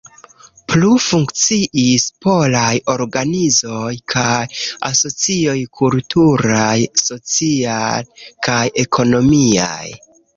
Plu funkciis polaj organizoj kaj asocioj kulturaj, sociaj kaj ekonomiaj.